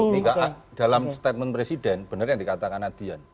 maka dalam statement presiden benar yang dikatakan nadian